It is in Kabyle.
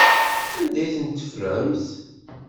Anda ay ten-teffremt?